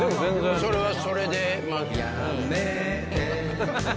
それはそれで。